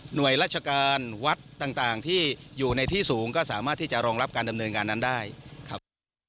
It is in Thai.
โดยราชการวัดต่างที่อยู่ในที่สูงก็สามารถที่จะรองรับการดำเนินการนั้นได้ครับ